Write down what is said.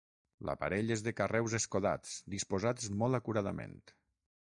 L'aparell és de carreus escodats, disposats molt acuradament.